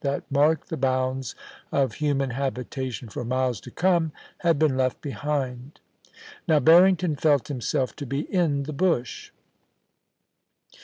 that marked the bounds of human habitation for miles to come had been left behind. Now Barrington felt himself to be in the bush.